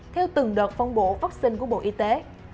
theo từng đợt phong bộ vaccine của bộ y tế